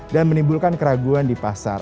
dan menimbulkan keraguan di pasar